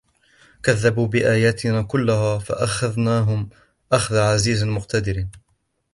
كَذَّبُوا بِآيَاتِنَا كُلِّهَا فَأَخَذْنَاهُمْ أَخْذَ عَزِيزٍ مُّقْتَدِرٍ